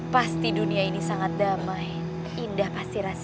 pasti dunia ini sangat damai indah pasti rasanya